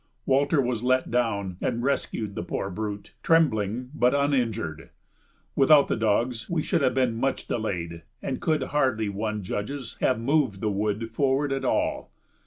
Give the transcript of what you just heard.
Walter was let down and rescued the poor brute, trembling but uninjured. Without the dogs we should have been much delayed and could hardly, one judges, have moved the wood forward at all.